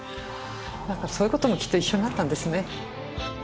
だからそういうこともきっと一緒になったんですね。